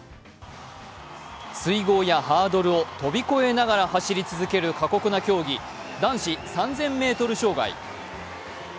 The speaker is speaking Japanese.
水濠やハードルを跳び越えながら走り続ける過酷な競技・男子３０００ｍ障害。